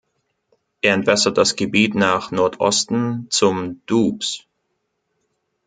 Er entwässert das Gebiet nach Nordosten zum Doubs.